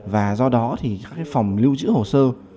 và do đó thì các phòng lưu trữ hồ sơ